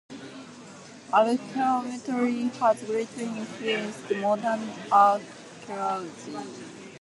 Archaeometry has greatly influenced modern archaeology.